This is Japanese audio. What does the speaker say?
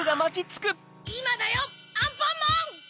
いまだよアンパンマン！